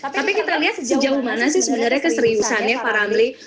tapi kita lihat sejauh mana sih sebenarnya keseriusannya pak ramli